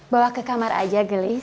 bawa ke kamar aja gelis